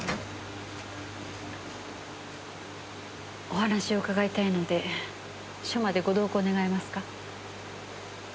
お話を伺いたいので署までご同行願えますか？